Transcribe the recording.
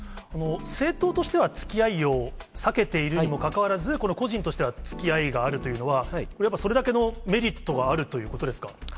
政党としてはつきあいを避けているにもかかわらず、この個人としては、つきあいがあるというのは、これはやっぱりそれだけのメリットがあるということですか？